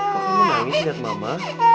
kau mau nangis liat mama